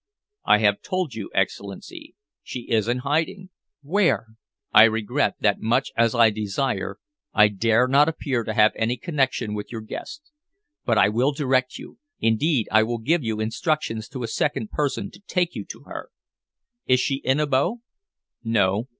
"I have told you, Excellency. She is in hiding." "Where?" "I regret that much as I desire, I dare not appear to have any connection with your quest. But I will direct you. Indeed, I will give you instructions to a second person to take you to her." "Is she in Abo?" "No.